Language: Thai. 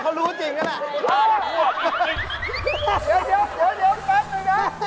เขารู้จริงก็ได้